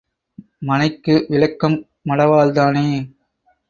மனைக்கு விளக்கம் மடவாள்தானே!